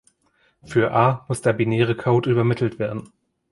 Für „a“ muss der binäre Code übermittelt werden.